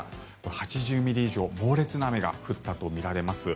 ８０ミリ以上の猛烈な雨が降ったとみられます。